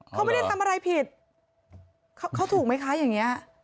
เขาไม่ได้ทำอะไรผิดเขาถูกไหมคะอย่างนี้